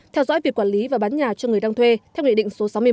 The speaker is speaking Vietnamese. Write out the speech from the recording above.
theo dõi việc quản lý và bán nhà cho người đang thuê theo nghị định số sáu mươi một